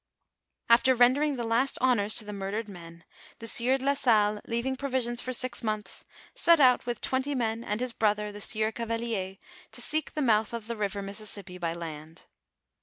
After rendering the last honors to the murdered men, the eieur de la Salle leaving provisions for six months, set out with twenty men and his brother, the sieur Cavelier, to seek the mouth of the river (Mississippi) by land.